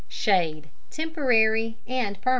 _Shade: Temporary and Permanent.